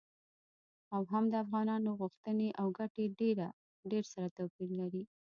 او هم د افغانانو غوښتنې او ګټې ډیر سره توپیر لري.